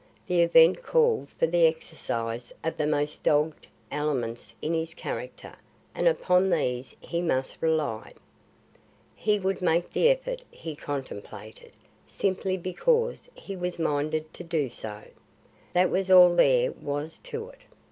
The event called for the exercise of the most dogged elements in his character and upon these he must rely. He would make the effort he contemplated, simply because he was minded to do so. That was all there was to it.